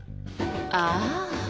ああ。